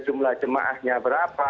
jumlah jemaahnya berapa